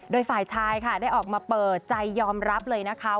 โดยฝ่ายชายค่ะได้ออกมาเปิดใจยอมรับเลยนะคะ